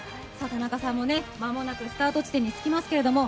田中さんも間もなくスタート地点に着きますけれども。